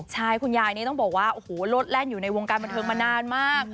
ใช่คุณยายนี่ต้องบอกว่าโอ้โหโลดแล่นอยู่ในวงการบันเทิงมานานมาก